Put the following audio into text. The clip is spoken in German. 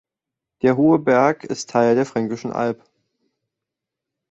Der hohe Berg ist Teil der Fränkischen Alb.